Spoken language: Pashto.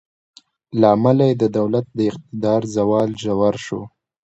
له امله یې د دولت د اقتدار زوال ژور شو.